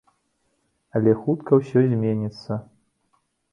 Але хутка ўсё зменіцца.